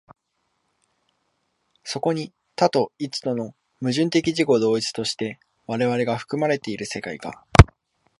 そこに多と一との矛盾的自己同一として我々が含まれている世界が、